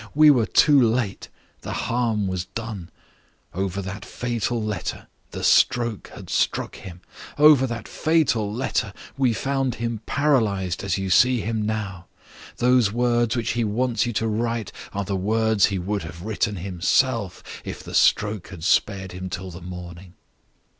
We were too late; the harm was done. Over that fatal letter, the stroke had struck him over that fatal letter, we found him paralyzed as you see him now. Those words which he wants you to write are the words he would have written himself if the stroke had spared him till the morning.